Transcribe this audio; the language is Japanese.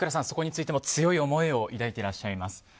そこについても強い思いを抱いていらっしゃいます。